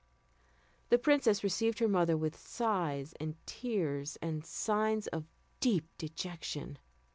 The princess received her mother with sighs and tears, and signs of deep dejection.